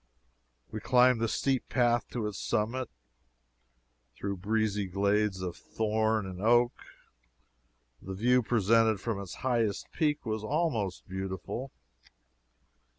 We climbed the steep path to its summit, through breezy glades of thorn and oak. The view presented from its highest peak was almost beautiful.